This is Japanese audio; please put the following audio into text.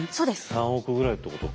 ３億ぐらいってことか。